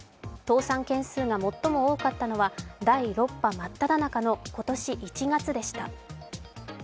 倒産件数が最も多かったのは第６波真っただ中の今年１月でした。